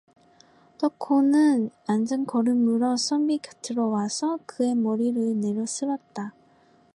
덕호는 앉은걸음으로 선비 곁으로 와서 그의 머리를 내려 쓸었다.